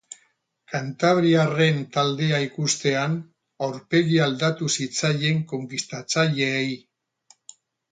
Kantabriarren taldea ikustean, aurpegia aldatu zitzaien konkistatzaileei.